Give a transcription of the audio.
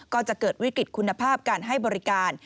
ก็จะเกิดวิกฤตคุณภาพการให้บริการ